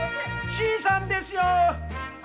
新さんですよ！